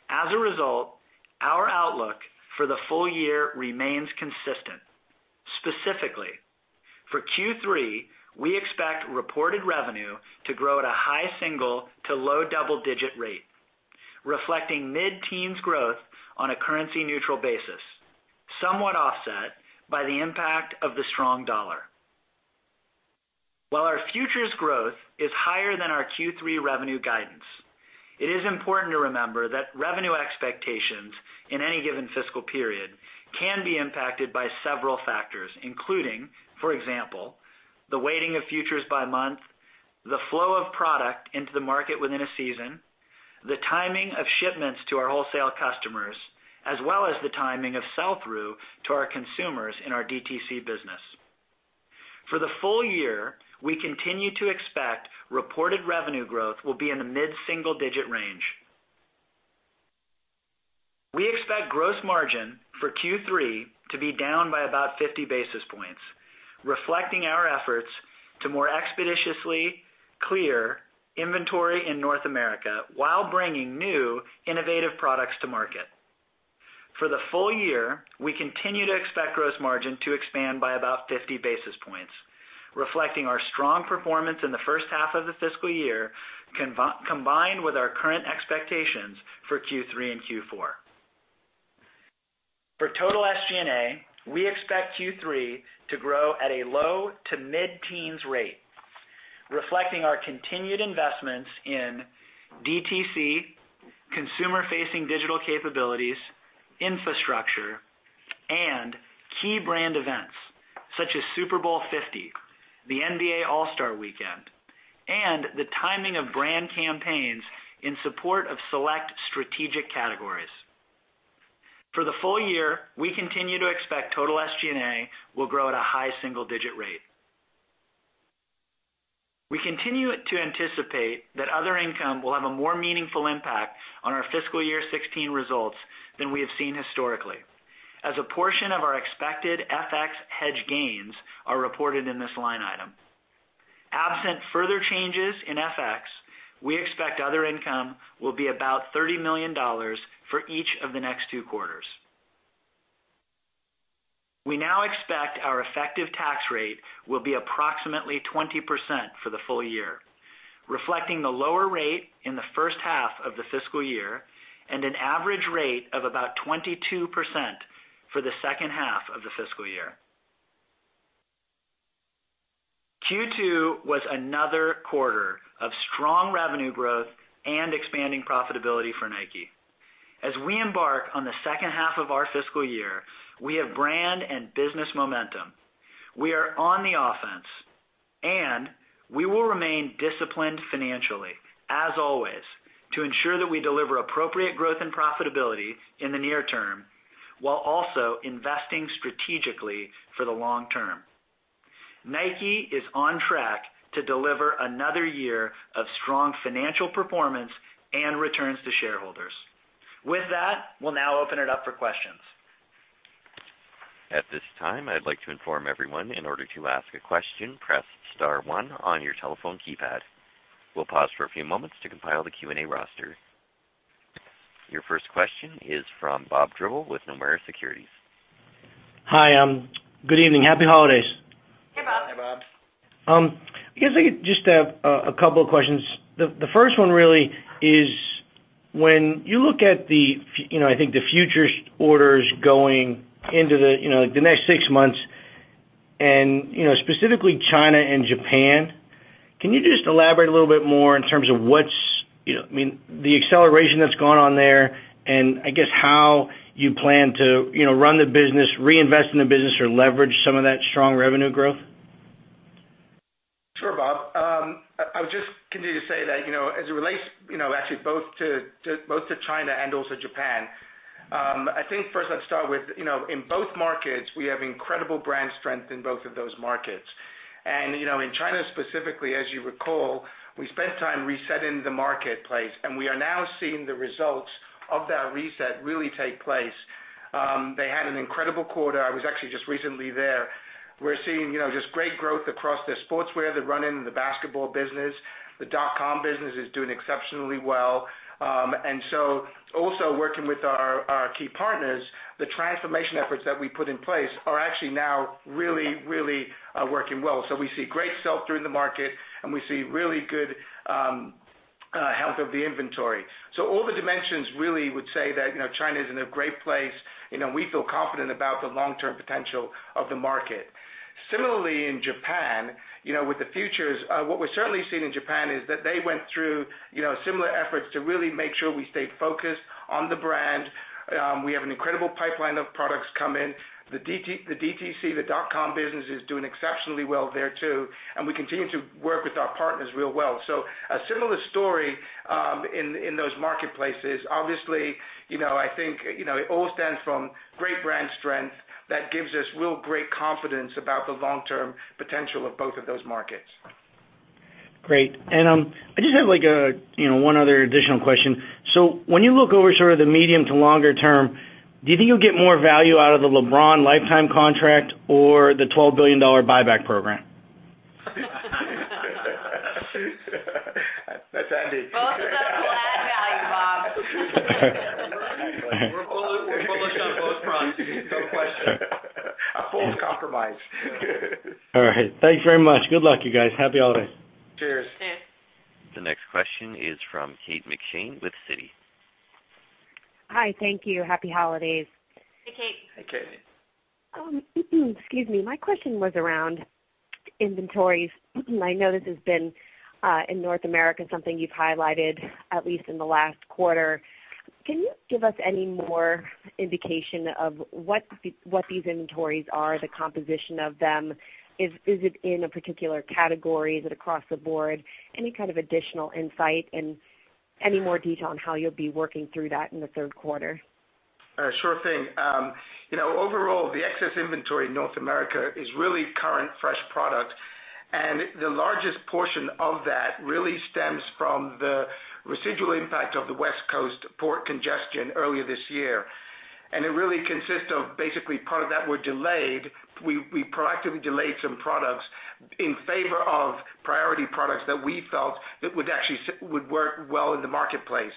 S5: As a result, our outlook for the full year remains consistent. Specifically, for Q3, we expect reported revenue to grow at a high single- to low double-digit rate, reflecting mid-teens growth on a currency-neutral basis, somewhat offset by the impact of the strong USD. While our futures growth is higher than our Q3 revenue guidance, it is important to remember that revenue expectations in any given fiscal period can be impacted by several factors, including, for example, the weighting of futures by month, the flow of product into the market within a season, the timing of shipments to our wholesale customers, as well as the timing of sell-through to our consumers in our DTC business. For the full year, we continue to expect reported revenue growth will be in the mid-single-digit range. We expect gross margin for Q3 to be down by about 50 basis points, reflecting our efforts to more expeditiously clear inventory in North America while bringing new innovative products to market. For the full year, we continue to expect gross margin to expand by about 50 basis points, reflecting our strong performance in the first half of the fiscal year, combined with our current expectations for Q3 and Q4. For total SG&A, we expect Q3 to grow at a low- to mid-teens rate, reflecting our continued investments in DTC, consumer-facing digital capabilities, infrastructure, and key brand events such as Super Bowl 50, the NBA All-Star Weekend, and the timing of brand campaigns in support of select strategic categories. For the full year, we continue to expect total SG&A will grow at a high single-digit rate. We continue to anticipate that other income will have a more meaningful impact on our fiscal year 2016 results than we have seen historically, as a portion of our expected FX hedge gains are reported in this line item. Absent further changes in FX, we expect other income will be about $30 million for each of the next two quarters. We now expect our effective tax rate will be approximately 20% for the full year. Reflecting the lower rate in the first half of the fiscal year and an average rate of about 22% for the second half of the fiscal year. Q2 was another quarter of strong revenue growth and expanding profitability for Nike. As we embark on the second half of our fiscal year, we have brand and business momentum. We are on the offense, and we will remain disciplined financially as always, to ensure that we deliver appropriate growth and profitability in the near term while also investing strategically for the long term. Nike is on track to deliver another year of strong financial performance and returns to shareholders. With that, we will now open it up for questions.
S1: At this time, I would like to inform everyone, in order to ask a question, press *1 on your telephone keypad. We will pause for a few moments to compile the Q&A roster. Your first question is from Bob Drbul with Nomura Securities.
S6: Hi. Good evening. Happy holidays.
S5: Hey, Bob.
S4: Hi, Bob.
S6: I guess I just have a couple of questions. The first one really is, when you look at the futures orders going into the next six months and specifically China and Japan, can you just elaborate a little bit more in terms of the acceleration that's gone on there, and I guess how you plan to run the business, reinvest in the business, or leverage some of that strong revenue growth?
S4: Sure, Bob. I would just continue to say that as it relates both to China and also Japan. I think first let's start with, in both markets, we have incredible brand strength in both of those markets. In China specifically, as you recall, we spent time resetting the marketplace, and we are now seeing the results of that reset really take place. They had an incredible quarter. I was actually just recently there. We're seeing just great growth across their sportswear, the running and the basketball business. The nike.com business is doing exceptionally well. Also working with our key partners, the transformation efforts that we put in place are actually now really working well. We see great sell-through in the market, and we see really good health of the inventory. All the dimensions really would say that China is in a great place. We feel confident about the long-term potential of the market. Similarly, in Japan, with the futures, what we're certainly seeing in Japan is that they went through similar efforts to really make sure we stayed focused on the brand. We have an incredible pipeline of products come in. The DTC, the nike.com business is doing exceptionally well there too, and we continue to work with our partners real well. A similar story in those marketplaces. Obviously, I think it all stems from great brand strength that gives us real great confidence about the long-term potential of both of those markets.
S6: I just have one other additional question. When you look over sort of the medium to longer term, do you think you'll get more value out of the LeBron lifetime contract or the $12 billion buyback program?
S4: That's Andy.
S5: Both of them add value, Bob.
S4: We're bullish on both fronts. No question. A false compromise.
S6: All right. Thank you very much. Good luck, you guys. Happy holidays.
S4: Cheers.
S5: Cheers.
S1: The next question is from Kate McShane with Citi.
S7: Hi, thank you. Happy holidays.
S5: Hey, Kate.
S4: Hey, Kate.
S7: Excuse me. My question was around inventories. I know this has been, in North America, something you've highlighted at least in the last quarter. Can you give us any more indication of what these inventories are, the composition of them? Is it in a particular category? Is it across the board? Any kind of additional insight and any more detail on how you'll be working through that in the third quarter?
S4: Sure thing. Overall, the excess inventory in North America is really current fresh product. The largest portion of that really stems from the residual impact of the West Coast port congestion earlier this year. It really consists of basically part of that were delayed. We proactively delayed some products in favor of priority products that we felt would work well in the marketplace.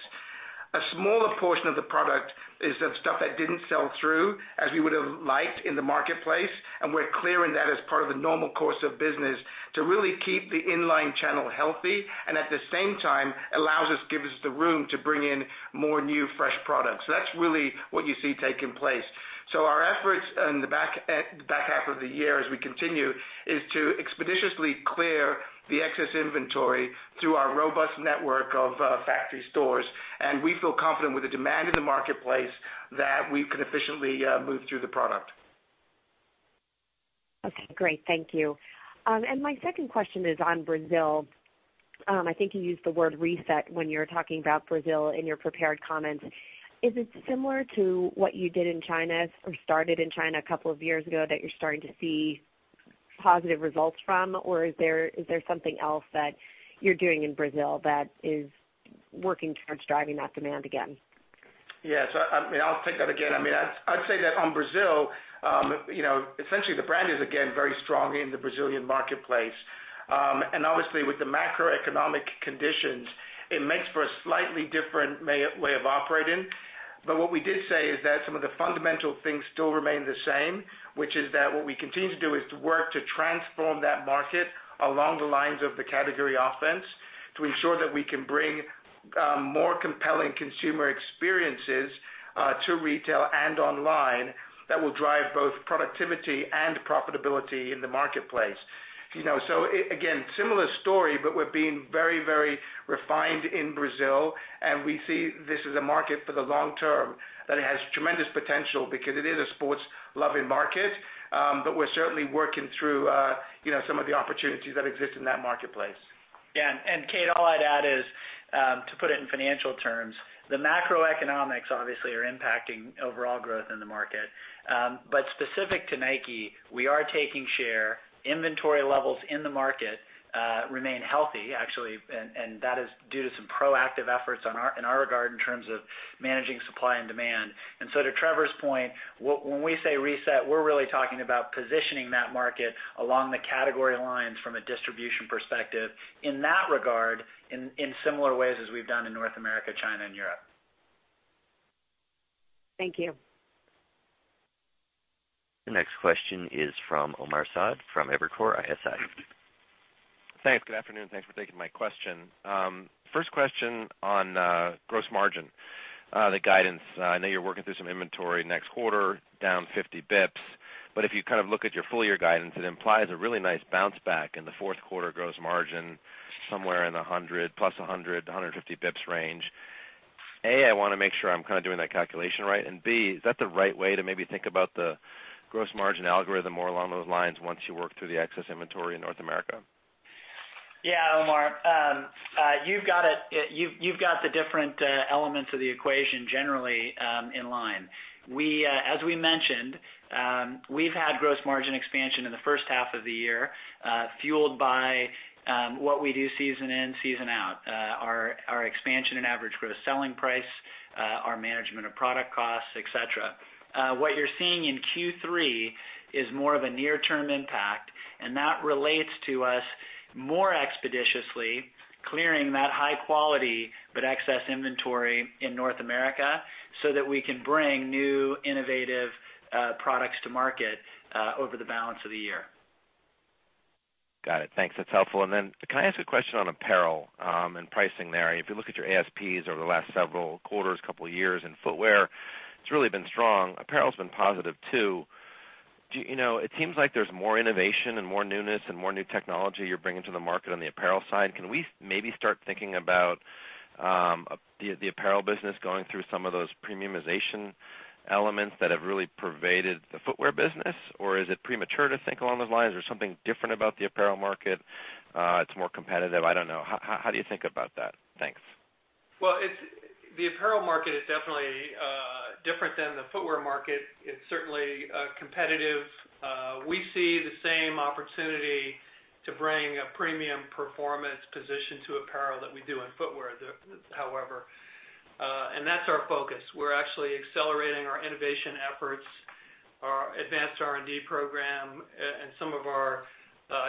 S4: A smaller portion of the product is the stuff that didn't sell through as we would've liked in the marketplace, and we're clearing that as part of the normal course of business to really keep the inline channel healthy and at the same time, allows us, gives us the room to bring in more new, fresh products. That's really what you see taking place. Our efforts in the back half of the year as we continue, is to expeditiously clear the excess inventory through our robust network of factory stores, and we feel confident with the demand in the marketplace that we could efficiently move through the product.
S7: Okay, great. Thank you. My second question is on Brazil. I think you used the word reset when you were talking about Brazil in your prepared comments. Is it similar to what you did in China or started in China a couple of years ago that you're starting to see positive results from? Is there something else that you're doing in Brazil that is working towards driving that demand again?
S4: Yes. I'll take that again. I'd say that on Brazil, essentially the brand is again, very strong in the Brazilian marketplace. Obviously, with the macroeconomic conditions, it makes for a slightly different way of operating. What we did say is that some of the fundamental things still remain the same, which is that what we continue to do is to work to transform that market along the lines of the category offense to ensure that we can bring more compelling consumer experiences to retail and online that will drive both productivity and profitability in the marketplace. Again, similar story, but we're being very refined in Brazil, and we see this as a market for the long term that has tremendous potential because it is a sports-loving market. We're certainly working through some of the opportunities that exist in that marketplace.
S5: Yeah. Kate, all I'd add is, to put it in financial terms, the macroeconomics obviously are impacting overall growth in the market. Specific to Nike, we are taking share. Inventory levels in the market remain healthy, actually, and that is due to some proactive efforts in our regard in terms of managing supply and demand. To Trevor's point, when we say reset, we're really talking about positioning that market along the category lines from a distribution perspective, in that regard, in similar ways as we've done in North America, China, and Europe.
S7: Thank you.
S1: The next question is from Omar Saad from Evercore ISI.
S8: Thanks. Good afternoon. Thanks for taking my question. First question on gross margin, the guidance. If you kind of look at your full year guidance, it implies a really nice bounce back in the fourth quarter gross margin, somewhere in the plus 100-150 bps range. A, I want to make sure I'm kind of doing that calculation right. B, is that the right way to maybe think about the gross margin algorithm more along those lines once you work through the excess inventory in North America?
S5: Yeah, Omar. You've got the different elements of the equation generally in line. As we mentioned, we've had gross margin expansion in the first half of the year, fueled by what we do season in, season out. Our expansion in average gross selling price, our management of product costs, et cetera. What you're seeing in Q3 is more of a near-term impact. That relates to us more expeditiously clearing that high quality but excess inventory in North America so that we can bring new, innovative products to market over the balance of the year.
S8: Got it. Thanks. That's helpful. Can I ask a question on apparel and pricing there? If you look at your ASPs over the last several quarters, couple of years in footwear, it's really been strong. Apparel's been positive, too. It seems like there's more innovation and more newness and more new technology you're bringing to the market on the apparel side. Can we maybe start thinking about the apparel business going through some of those premiumization elements that have really pervaded the footwear business, or is it premature to think along those lines? Is there something different about the apparel market? It's more competitive? I don't know. How do you think about that? Thanks.
S3: Well, the apparel market is definitely different than the footwear market. It's certainly competitive. We see the same opportunity to bring a premium performance position to apparel that we do in footwear, however. That's our focus. We're actually accelerating our innovation efforts, our advanced R&D program, and some of our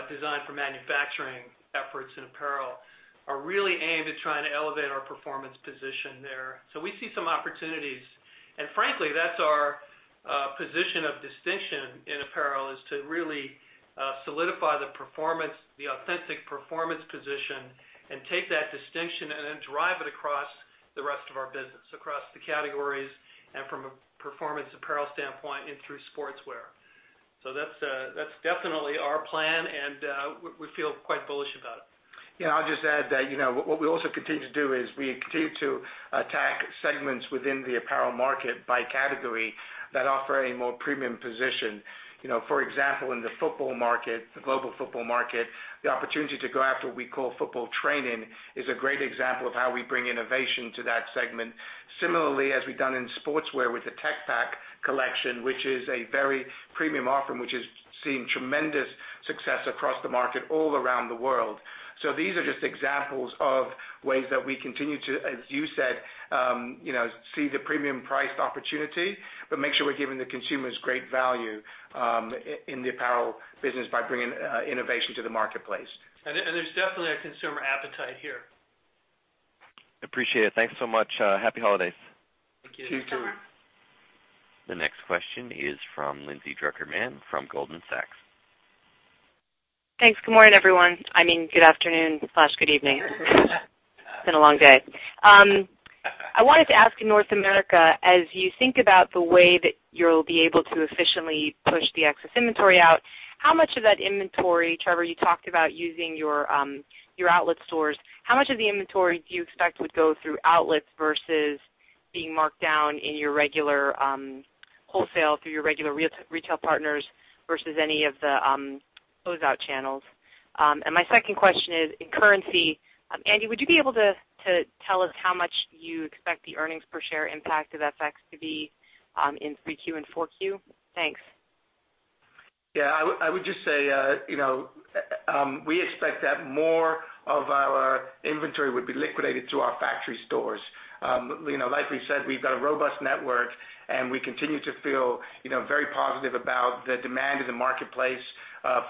S3: design for manufacturing efforts in apparel are really aimed at trying to elevate our performance position there. We see some opportunities. Frankly, that's our position of distinction in apparel, is to really solidify the authentic performance position and take that distinction and then drive it across the rest of our business, across the categories and from a performance apparel standpoint and through sportswear. That's definitely our plan, and we feel quite bullish about it.
S4: Yeah, I'll just add that what we also continue to do is we continue to attack segments within the apparel market by category that offer a more premium position. For example, in the global football market, the opportunity to go after what we call football training is a great example of how we bring innovation to that segment. Similarly, as we've done in sportswear with the Tech Pack collection, which is a very premium offering, which has seen tremendous success across the market all around the world. These are just examples of ways that we continue to, as you said, see the premium price opportunity, but make sure we're giving the consumers great value in the apparel business by bringing innovation to the marketplace.
S3: There's definitely a consumer appetite here.
S8: Appreciate it. Thanks so much. Happy holidays.
S3: Thank you.
S4: You too.
S5: You too.
S1: The next question is from Lindsay Drucker Mann from Goldman Sachs.
S9: Thanks. Good morning, everyone. Good afternoon/good evening. It's been a long day. I wanted to ask in North America, as you think about the way that you'll be able to efficiently push the excess inventory out, how much of that inventory, Trevor, you talked about using your outlet stores. How much of the inventory do you expect would go through outlets versus being marked down in your regular wholesale through your regular retail partners versus any of the closeout channels? My second question is, in currency, Andy, would you be able to tell us how much you expect the earnings per share impact of FX to be in 3Q and 4Q? Thanks.
S4: Yeah, I would just say, we expect that more of our inventory would be liquidated through our factory stores. Like we said, we've got a robust network, and we continue to feel very positive about the demand in the marketplace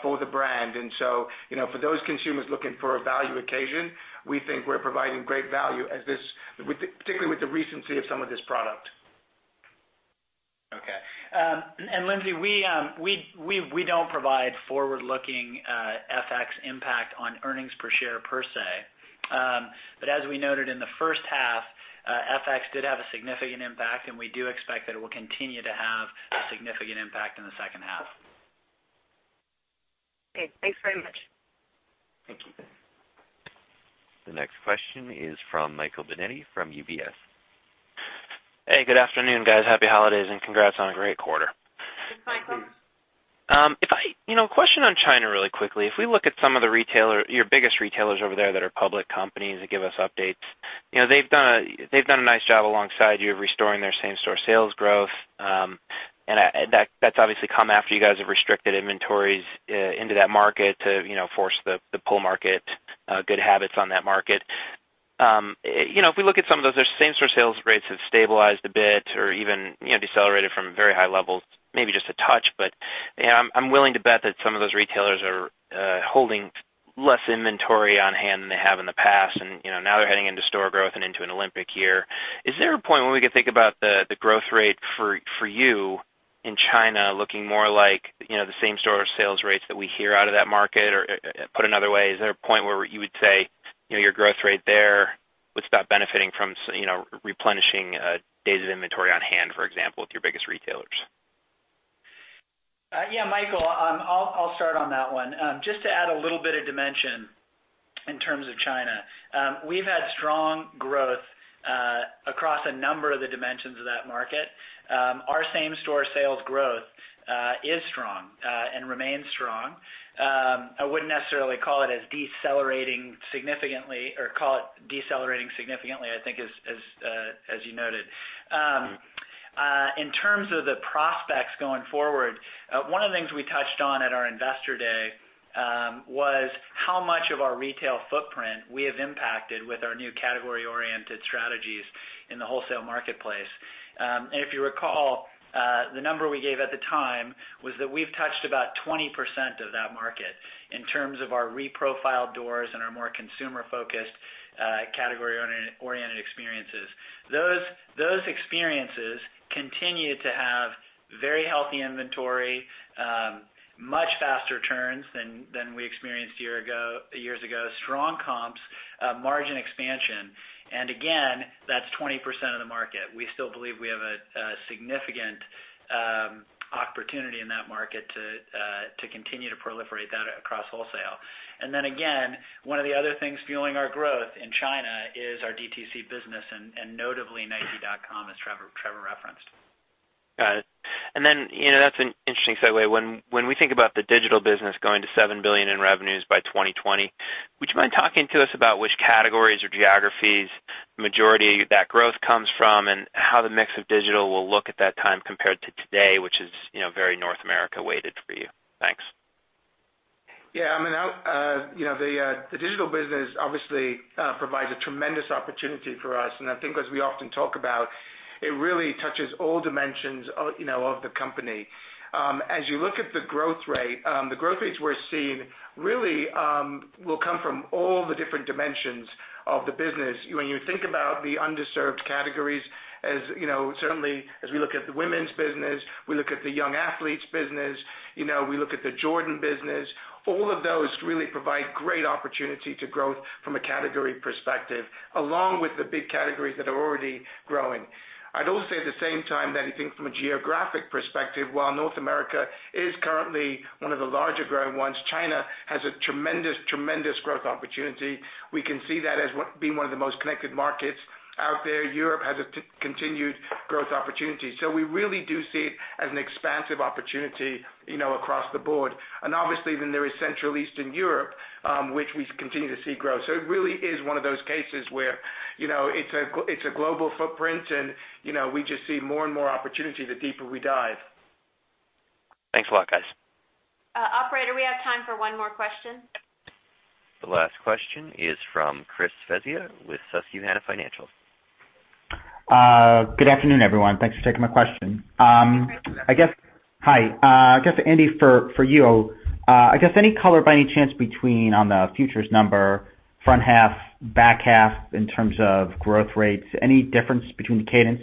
S4: for the brand. For those consumers looking for a value occasion, we think we're providing great value, particularly with the recency of some of this product.
S5: Lindsay, we don't provide forward-looking FX impact on earnings per share per se. As we noted in the first half, FX did have a significant impact, and we do expect that it will continue to have a significant impact in the second half.
S2: Okay, thanks very much.
S5: Thank you.
S1: The next question is from Michael Binetti from UBS.
S10: Hey, good afternoon, guys. Happy holidays, and congrats on a great quarter.
S2: Thanks, Michael.
S10: A question on China really quickly. If we look at some of your biggest retailers over there that are public companies that give us updates, they've done a nice job alongside you of restoring their same-store sales growth. That's obviously come after you guys have restricted inventories into that market to force the pull market good habits on that market. If we look at some of those, their same-store sales rates have stabilized a bit or even decelerated from very high levels, maybe just a touch. I'm willing to bet that some of those retailers are holding less inventory on hand than they have in the past. Now they're heading into store growth and into an Olympic year. Is there a point where we could think about the growth rate for you in China looking more like the same-store sales rates that we hear out of that market? Put another way, is there a point where you would say your growth rate there would stop benefiting from replenishing days of inventory on hand, for example, with your biggest retailers?
S5: Yeah, Michael, I'll start on that one. Just to add a little bit of dimension in terms of China. We've had strong growth across a number of the dimensions of that market. Our same-store sales growth is strong and remains strong. I wouldn't necessarily call it as decelerating significantly, or call it decelerating significantly, I think as you noted. In terms of the prospects going forward, one of the things we touched on at our investor day, was how much of our retail footprint we have impacted with our new category-oriented strategies in the wholesale marketplace. If you recall, the number we gave at the time was that we've touched about 20% of that market in terms of our re-profiled doors and our more consumer-focused, category-oriented experiences. Those experiences continue to have very healthy inventory, much faster turns than we experienced years ago, strong comps, margin expansion. That's 20% of the market. We still believe we have a significant opportunity in that market to continue to proliferate that across wholesale. Again, one of the other things fueling our growth in China is our DTC business and notably nike.com, as Trevor referenced.
S10: Got it. That's an interesting segue. When we think about the digital business going to $7 billion in revenues by 2020, would you mind talking to us about which categories or geographies the majority of that growth comes from and how the mix of digital will look at that time compared to today, which is very North America weighted for you? Thanks.
S4: The digital business obviously provides a tremendous opportunity for us. I think as we often talk about, it really touches all dimensions of the company. As you look at the growth rate, the growth rates we're seeing really will come from all the different dimensions of the business. When you think about the underserved categories, certainly as we look at the women's business, we look at the young athletes business, we look at the Jordan business. All of those really provide great opportunity to growth from a category perspective, along with the big categories that are already growing. I'd also say at the same time that if you think from a geographic perspective, while North America is currently one of the larger growing ones, China has a tremendous growth opportunity. We can see that as being one of the most connected markets out there. Europe has a continued growth opportunity. We really do see it as an expansive opportunity across the board. There is Central Eastern Europe, which we continue to see growth. It really is one of those cases where it's a global footprint, and we just see more and more opportunity the deeper we dive.
S10: Thanks a lot, guys.
S2: Operator, we have time for one more question.
S1: The last question is from Chris Svezia with Susquehanna Financial.
S11: Good afternoon, everyone. Thanks for taking my question.
S2: Hi, Chris.
S11: Hi. I guess, Andy, for you, any color by any chance between on the futures number, front half, back half in terms of growth rates? Any difference between the cadence?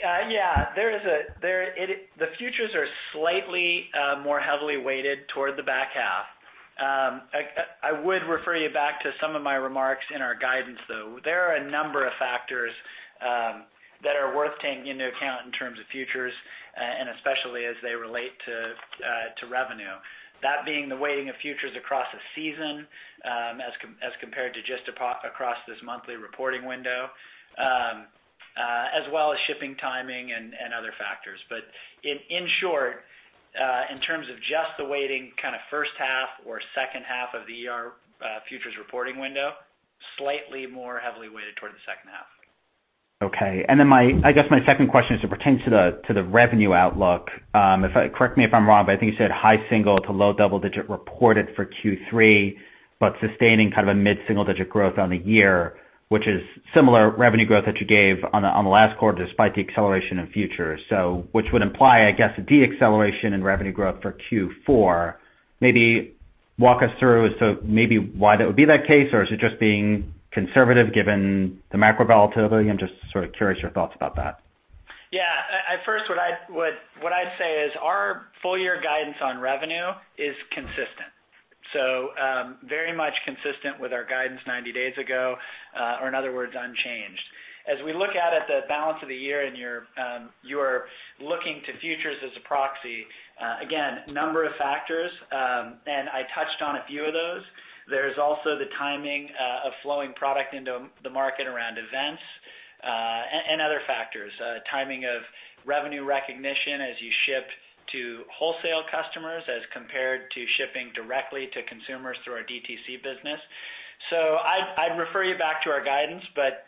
S5: Yeah. The futures are slightly more heavily weighted toward the back half. I would refer you back to some of my remarks in our guidance, though. There are a number of factors that are worth taking into account in terms of futures, and especially as they relate to revenue. That being the weighting of futures across a season, as compared to just across this monthly reporting window, as well as shipping timing and other factors. In short, in terms of just the weighting kind of first half or second half of our futures reporting window, slightly more heavily weighted towards the second half.
S11: Okay. I guess my second question pertains to the revenue outlook. Correct me if I'm wrong, I think you said high single to low double digit reported for Q3, sustaining kind of a mid-single digit growth on the year, which is similar revenue growth that you gave on the last quarter despite the acceleration in futures. Which would imply, I guess, a de-acceleration in revenue growth for Q4. Maybe walk us through maybe why that would be that case, or is it just being conservative given the macro volatility? I'm just sort of curious your thoughts about that.
S5: Yeah. At first, what I'd say is our full year guidance on revenue is consistent. Very much consistent with our guidance 90 days ago, or in other words, unchanged. As we look out at the balance of the year and you are looking to futures as a proxy, again, number of factors, and I touched on a few of those. There's also the timing of flowing product into the market around events, and other factors. Timing of revenue recognition as you ship to wholesale customers as compared to shipping directly to consumers through our DTC business. I'd refer you back to our guidance, but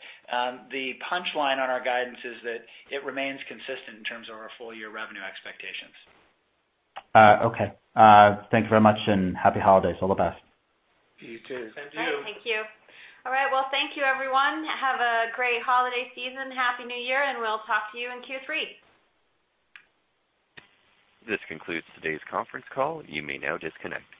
S5: the punchline on our guidance is that it remains consistent in terms of our full year revenue expectations.
S11: Okay. Thanks very much, and happy holidays. All the best.
S4: You too.
S5: You.
S2: All right. Thank you. All right. Well, thank you everyone. Have a great holiday season. Happy New Year. We'll talk to you in Q3.
S1: This concludes today's conference call. You may now disconnect.